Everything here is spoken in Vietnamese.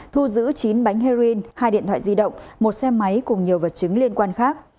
thu giữ chín bánh heroin hai điện thoại di động một xe máy cùng nhiều vật chứng liên quan khác